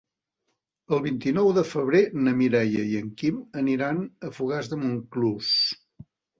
El vint-i-nou de febrer na Mireia i en Quim aniran a Fogars de Montclús.